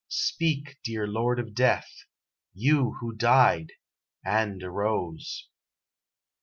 Speak, dear Lord of Death! You who died and arose!